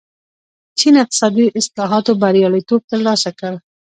چین اقتصادي اصلاحاتو بریالیتوب ترلاسه کړ.